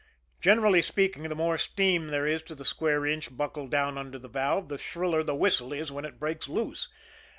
Generally speaking, the more steam there is to the square inch buckled down under the valve, the shriller the whistle is when it breaks loose.